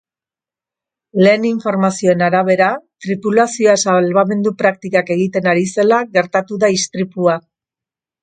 Lehen informazioen arabera, tripulazioa salbamendu praktikak egiten ari zela gertatu da istripua.